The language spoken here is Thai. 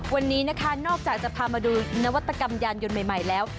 วันนี้นะคะนอกจากจะพามาดูนวัตกรรมยานยนต์ใหม่แล้ว